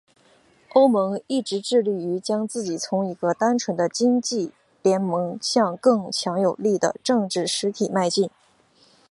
欧盟一直致力于将自己从一个单纯的经济联盟向更强有力的政治实体迈进。